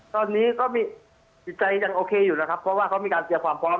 ตอนนี้ก็มีจิตใจยังโอเคอยู่แล้วครับเพราะว่าเขามีการเตรียมความพร้อม